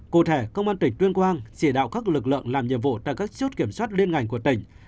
cụ thể công an tỉnh tuyên quang chỉ đạo các lực lượng làm nhiệm vụ tại các chốt kiểm soát liên ngành của tỉnh